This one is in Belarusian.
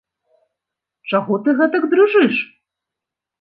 Чаго ты гэтак дрыжыш?